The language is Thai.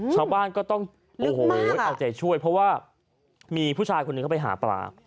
ชาวบ้านก็ต้องโอ้โหเอาใจช่วยเพราะว่ามีผู้ชายคนหนึ่งเข้าไปหาปลา